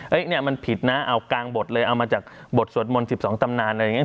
เนี่ยมันผิดนะเอากลางบทเลยเอามาจากบทสวดมนต์๑๒ตำนานอะไรอย่างนี้